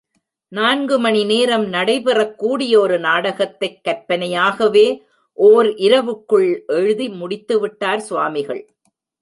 நான்கு மணி நேரம் நடைபெறக் கூடிய ஒரு நாடகத்தைக் கற்பனையாகவே ஒர் இரவுக்குள் எழுதி முடித்துவிட்டார் சுவாமிகள்.